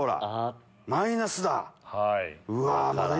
マイナスだ！